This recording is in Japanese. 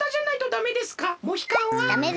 ダメです。